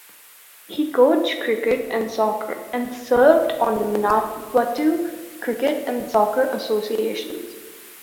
He coached cricket and soccer and served on the Manawatu cricket and soccer associations.